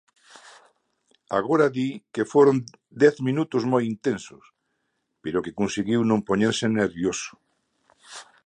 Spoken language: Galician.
Agora di que foron dez minutos moi intensos, pero que conseguiu non poñerse nervioso.